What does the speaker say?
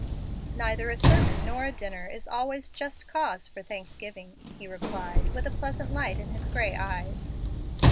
"Neither a sermon nor a dinner is always a just cause for Thanksgiving," he replied, with a pleasant light in his gray eyes.